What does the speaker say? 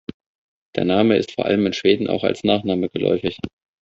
Der Name ist vor allem in Schweden auch als Nachname geläufig.